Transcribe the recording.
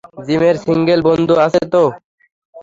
জিমের সিঙ্গেল বন্ধু আছে তো?